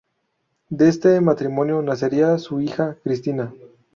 De este matrimonio nacería su hija Cristina.